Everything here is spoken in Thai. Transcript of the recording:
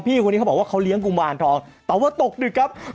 พี่คนนี้เขาบอกว่าเขาเลี้ยงกุมารทองแต่ว่าตกดึกครับ